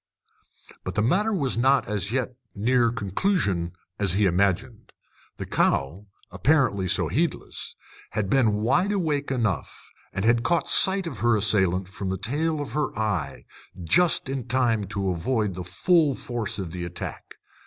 But the matter was not yet as near conclusion as he imagined. The cow, apparently so heedless, had been wideawake enough, and had caught sight of her assailant from the tail of her eye, just in time to avoid the full force of the attack.